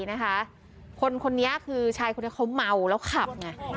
ชายคนนี้เขาเมาแล้วขับ